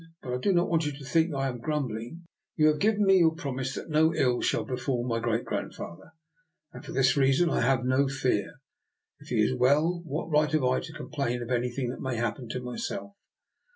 " But I do not want you to think that I am grumbling; you have given me your promise that no ill shall befall my great grandfather, and for this reason I have no fear. If he is well, what right have I to complain of any thing that may happen to myself?